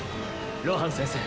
露伴先生